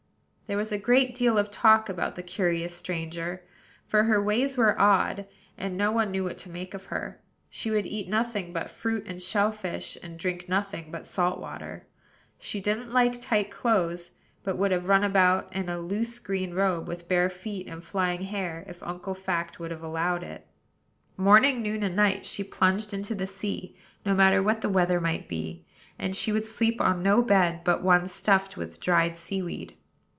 There was a great deal of talk about the curious stranger; for her ways were odd, and no one knew what to make of her. She would eat nothing but fruit and shell fish, and drink nothing but salt water. She didn't like tight clothes; but would have run about in a loose, green robe, with bare feet and flying hair, if Uncle Fact would have allowed it. Morning, noon, and night, she plunged into the sea, no matter what the weather might be; and she would sleep on no bed but one stuffed with dried sea weed.